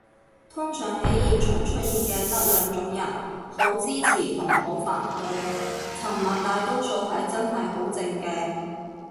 通常喺現場出現嘅得兩種人，好支持同好反對，沉默大多數係真係好靜嘅